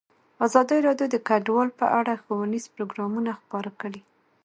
ازادي راډیو د کډوال په اړه ښوونیز پروګرامونه خپاره کړي.